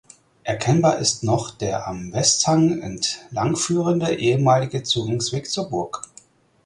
Erkennbar ist noch der am Westhang entlangführende ehemalige Zugangsweg zur Burg.